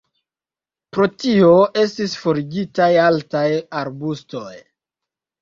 Pro tio estis forigitaj altaj arbustoj.